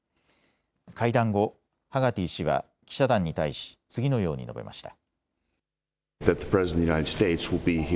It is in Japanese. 会談後、ハガティ氏は記者団に対し次のように述べました。